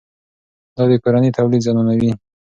دا د کورني تولید زیانمنوي.